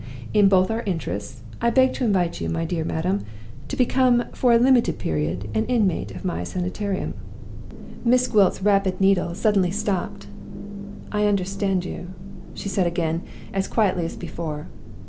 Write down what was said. In both our interests, I beg to invite you, my dear madam, to become for a limited period an inmate of My Sanitarium." Miss Gwilt's rapid needle suddenly stopped. "I understand you," she said again, as quietly as before.